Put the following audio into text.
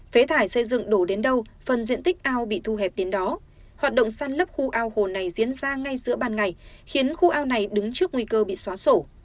phế thải xây dựng đổ đến đâu phần diện tích ao bị thu hẹp đến đó hoạt động săn lấp khu ao hồ này diễn ra ngay giữa ban ngày khiến khu ao này đứng trước nguy cơ bị xóa sổ